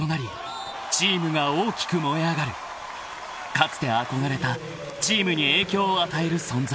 ［かつて憧れたチームに影響を与える存在］